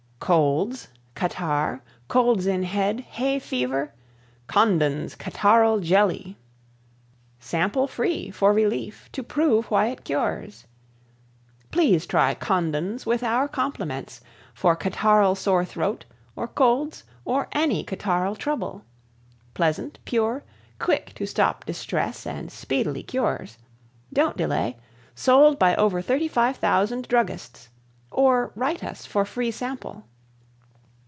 COLDS CATARRH COLDS IN HEAD HAY FEVER KONDON'S CATARRHAL JELLY Sample Free For Relief To Prove Why It Cures PLEASE TRY Kondon's with our compliments, for catarrhal sore throat or colds or any catarrhal trouble. Pleasant, pure, quick to stop distress and speedily cures. Don't delay. Sold by over 35,000 druggists or write us for free sample.